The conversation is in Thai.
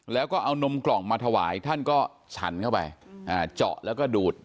แล้วก็เอานมกล่องมาถวายท่านก็ฉันเข้าไปเจาะแล้วก็ดูด